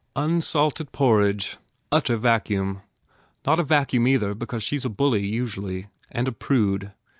"Unsalted porridge. Utter vacuum. Not a vacuum either because she s a bully, usually. And a prude.